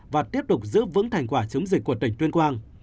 và tiếp tục giữ vững thành quả chống dịch của tỉnh tuyên quang